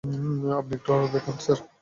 আপনি একটু আলো দেখান, স্যার।